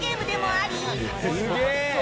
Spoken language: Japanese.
すげえ！